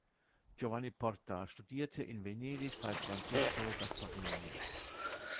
Giovanni Porta studierte in Venedig bei Francesco Gasparini.